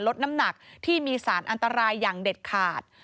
ลดน้ำหนักที่มีสารอันตรายอย่างเด็ดขาด